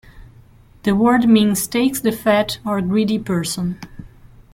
The word means "takes the fat," or "greedy person.